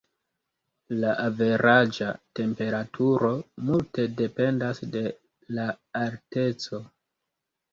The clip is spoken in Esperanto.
La averaĝa temperaturo multe dependas de la alteco.